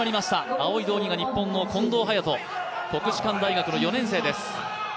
青い道着が日本の近藤隼斗、国士舘大学の４年生です。